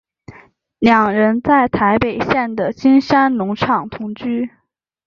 两人在台北县的金山农场同居。